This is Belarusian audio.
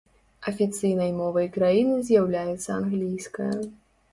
Афіцыйнай мовай краіны з'яўляецца англійская.